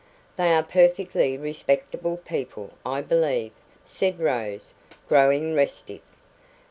"They are perfectly respectable people, I believe," said Rose, growing restive.